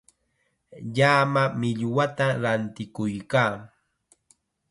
Llama millwata rantikuykaa.